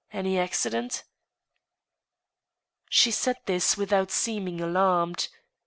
Any accident ?" She said tiiis without seeming alarmed.